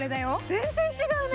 全然違うね。